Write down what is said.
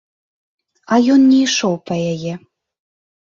А ён не ішоў па яе.